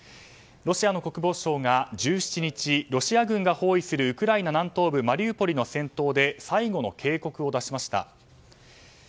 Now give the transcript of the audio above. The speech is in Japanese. ロシアの国防省が１７日ロシア軍が包囲するウクライナ南東部マリウポリの戦闘で最後の警告を出しました。